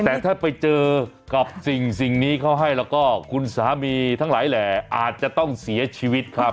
แต่ถ้าไปเจอกับสิ่งนี้เขาให้แล้วก็คุณสามีทั้งหลายแหล่อาจจะต้องเสียชีวิตครับ